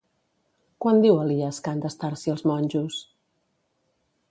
Quant diu Elias que han d'estar-s'hi els monjos?